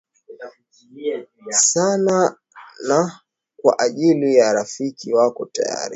sana na kwa ajili ya rafiki wako tayari